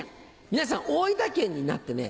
皆さん大分県になってね